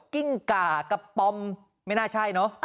กิ้งก่ากับปอมไม่น่าใช่เนอะ